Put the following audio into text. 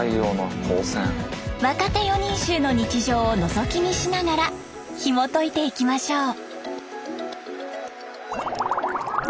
若手四人衆の日常をのぞき見しながらひもといていきましょう。